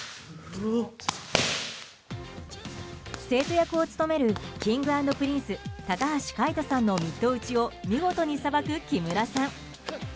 生徒役を務めるＫｉｎｇ＆Ｐｒｉｎｃｅ高橋海人さんのミット打ちを見事にさばく木村さん。